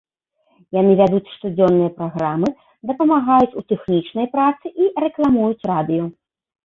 Яны вядуць штодзённыя праграмы, дапамагаюць у тэхнічнай працы і рэкламуюць радыё.